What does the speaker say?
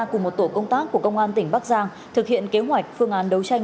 cùng một tổ công tác của công an tỉnh bắc giang thực hiện kế hoạch phương án đấu tranh